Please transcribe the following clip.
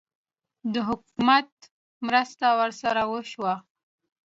د حکومت مرسته ورسره وشوه؟